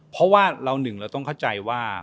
เพราะว่าเราหนึ่งเราต้องเข้าใจว่า